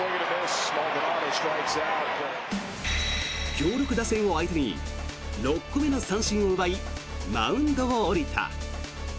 強力打線を相手に６個目の三振を奪いマウンドを降りた。